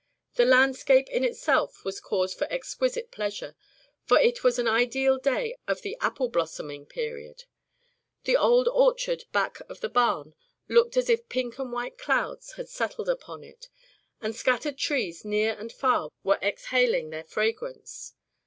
The landscape in itself was cause for exquisite pleasure, for it was an ideal day of the apple blossoming period. The old orchard back of the barn looked as if pink and white clouds had settled upon it, and scattered trees near and far were exhaling their fragrance.